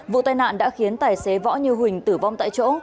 vụ tai nạn đã khiến tài xế võ như huỳnh tử vong tại chỗ